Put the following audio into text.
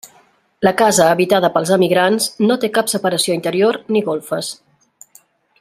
La casa habitada pels emigrants no té cap separació interior ni golfes.